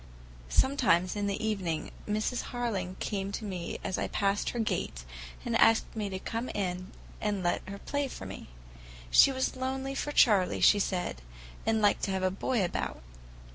Sometimes in the evening Mrs. Harling called to me as I passed her gate, and asked me to come in and let her play for me. She was lonely for Charley, she said, and liked to have a boy about.